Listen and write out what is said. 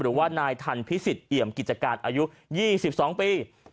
หรือว่านายทันพิสิทธิเอี่ยมกิจการอายุ๒๒ปี